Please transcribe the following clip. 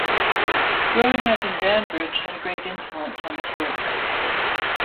Growing up in Banbridge had a great influence on his work.